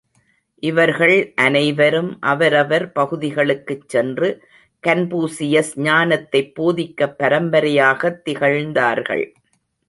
இவர்கள் அனைவரும் அவரவர் பகுதிகளுக்குச் சென்று கன்பூசியஸ் ஞானத்தைப் போதிக்க பரம்பரையாகத் திகழ்ந்தார்கள்.